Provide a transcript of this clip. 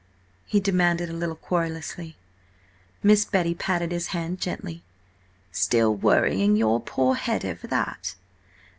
he demanded a little querulously. Miss Betty patted his hand gently. "Still worrying your poor head over that?